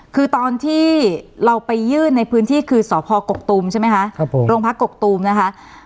คือตอนที่เราไปยื่นในพื้นที่คือสพกกตูมใช่ไหมคะโรงพักกกตูมนะคะ